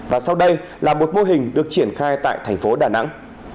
và sau đây là một mô hình được triển khai tại thành phố đà nẵng